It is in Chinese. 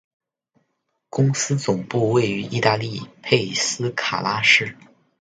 公司总部位于意大利佩斯卡拉市。